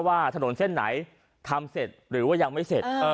ว่าถนนเส้นไหนทำเสร็จหรือว่ายังไม่เสร็จ